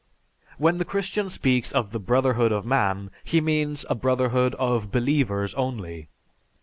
When the Christian speaks of the brotherhood of man, he means a brotherhood of believers only.